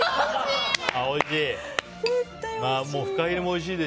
おいしい！